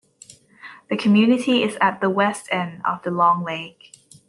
The community is at the west end of Long Lake.